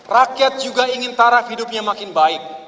rakyat juga ingin taraf hidupnya makin baik